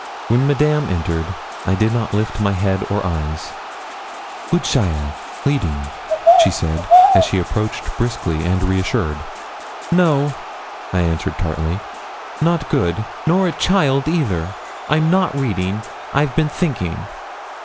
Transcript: When Madame entered, I did not lift my head or eyes. 'Good cheaile! reading,' said she, as she approached briskly and reassured. 'No,' I answered tartly; 'not good, nor a child either; I'm not reading, I've been thinking.'